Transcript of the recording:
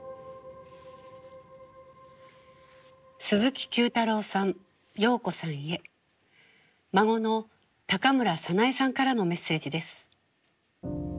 鈴木久太郎さん洋子さんへ孫の高村早苗さんからのメッセージです。